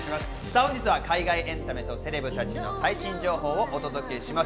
本日は海外エンタメとセレブたちの最新情報をお届けします。